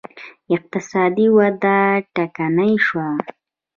اقتصادي وده ټکنۍ شوه